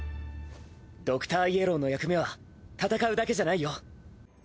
ドクターイエローの役目は戦うだけじゃないよ。